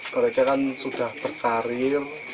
mereka kan sudah berkarir